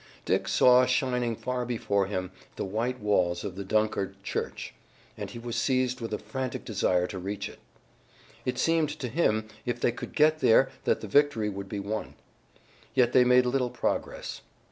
Dick saw shining far before him the white walls of the Dunkard church, and he was seized with a frantic desire to reach it. It seemed to him if they could get there that the victory would be won. Yet they made little progress.